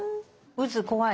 うず怖い。